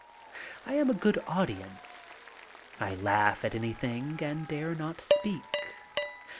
I am a good audience. I laugh at anything and dare not speak.